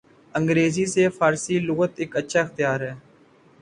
انگریزی سے فارسی لغت ایک اچھا اختیار ہے۔